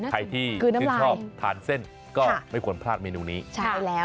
ใครที่ชื่นชอบทานเส้นก็ไม่ควรพลาดเมนูนี้ใช่แล้ว